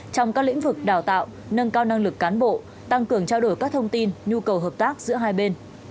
trong các lĩnh vực đào tạo nâng cao năng lực cán bộ tăng cường trao đổi các thông tin nhu cầu hợp tác giữa hai bên